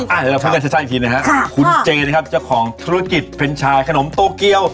เดี๋ยวเราพูดกันชัดอีกทีนะฮะคุณเจนะครับเจ้าของธุรกิจเป็นชายขนมโตเกียว